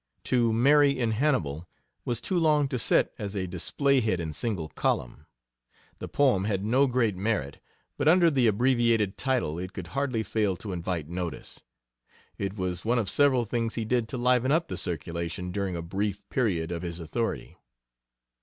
"To Mary in Hannibal" was too long to set as a display head in single column. The poem had no great merit, but under the abbreviated title it could hardly fail to invite notice. It was one of several things he did to liven up the circulation during a brief period of his authority.